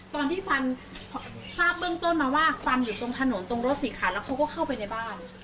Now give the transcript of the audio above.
ตอนที่ฟันทราบเบื้องต้นมาว่าฟันอยู่ตรงถนนตรงรถสีขาวแล้วเขาก็เข้าไปในบ้าน